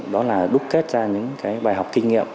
đó là đúc kết ra những cái bài học kinh nghiệm